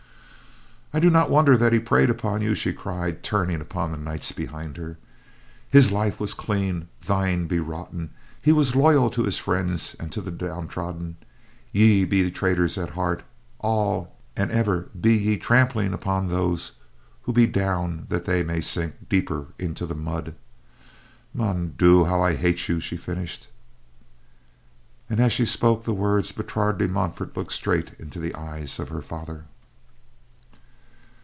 "I do not wonder that he preyed upon you," she cried, turning upon the knights behind her. "His life was clean, thine be rotten; he was loyal to his friends and to the downtrodden, ye be traitors at heart, all; and ever be ye trampling upon those who be down that they may sink deeper into the mud. Mon Dieu! How I hate you," she finished. And as she spoke the words, Bertrade de Montfort looked straight into the eyes of her father.